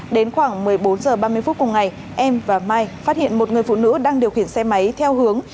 đến khoảng một mươi bốn h ba mươi phút cùng ngày em và mai phát hiện một người phụ nữ đang điều khiển xe máy theo hướng